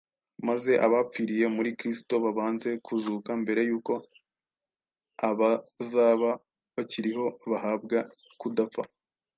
maze abapfiriye muri Kristo babanze kuzuka mbere yuko abazaba bakiriho bahabwa kudapfa.